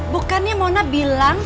bukannya mona bilang